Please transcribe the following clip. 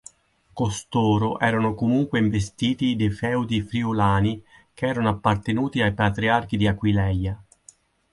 Costoro erano comunque investiti dei feudi friulani che erano appartenuti ai Patriarchi di Aquileia.